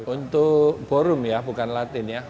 untuk ballroom ya bukan latih